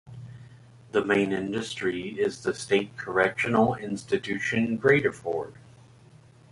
The main industry is the State Correctional Institution - Graterford.